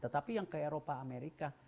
tetapi yang ke eropa amerika